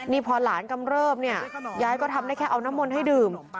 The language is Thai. นี่พอหลานกำเริบเนี่ยยายก็ทำได้แค่เอาน้ำมนต์ให้ดื่ม